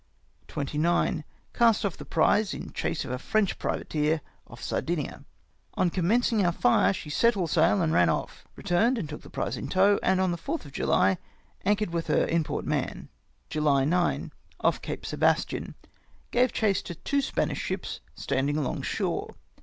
" 29. — Cast off the prize in chase of a French privateer off Sardinia. On commencing our fire she set all sail and ran off. Eeturned and took the prize in tow; and the 4th of July anchored with her in Port Mahon. " July 9. — Off Cape Sebastian. Grave chase to two Spanish ships standing along shore.